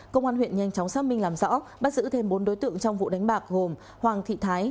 công an huyện nhanh chóng xác minh làm rõ bắt giữ thêm bốn đối tượng trong vụ đánh bạc gồm hoàng thị thái